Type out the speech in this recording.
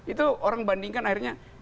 itu orang bandingkan akhirnya